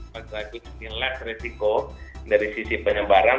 bagaimana itu setelah resiko dari sisi penyebaran